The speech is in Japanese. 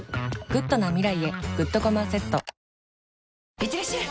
いってらっしゃい！